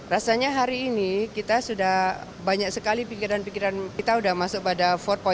rasanya hari ini kita sudah banyak sekali pikiran pikiran kita sudah masuk pada empat